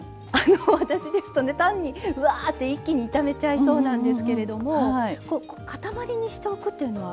私ですとね単にワーッて一気に炒めちゃいそうなんですけれども塊にしておくっていうのは。